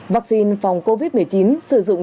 vaccine phòng covid một mươi chín sử dụng